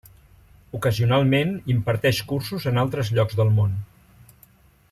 Ocasionalment, imparteix cursos en altres llocs del món.